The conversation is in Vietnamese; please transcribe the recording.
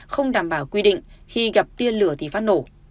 không đảm bảo quy định khi gặp tiên lửa thì phát nổ